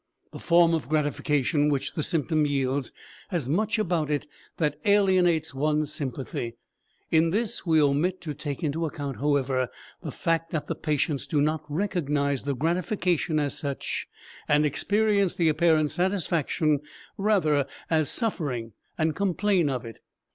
The form of gratification which the symptom yields has much about it that alienates one's sympathy. In this we omit to take into account, however, the fact that the patients do not recognize the gratification as such and experience the apparent satisfaction rather as suffering, and complain of it.